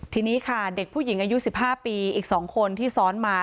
ทีนี้ค่ะเด็กผู้หญิงอายุ๑๕ปีอีก๒คนที่ซ้อนมา